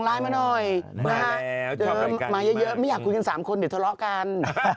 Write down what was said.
มาแล้วชอบกันกันมาเยอะไม่อยากคุยกัน๓คนเดี๋ยวทะเลาะกัน